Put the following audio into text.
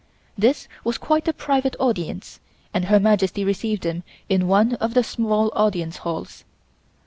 This was quite a private audience and Her Majesty received them in one of the small Audience Halls.